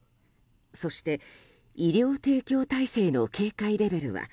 そして医療提供体制の警戒レベルは。